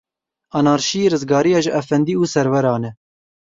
Anarşî, rizgariya ji efendî û serweran e.